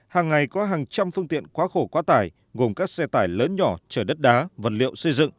hàng ngày có hàng trăm phương tiện quá khổ quá tải gồm các xe tải lớn nhỏ chở đất đá vật liệu xây dựng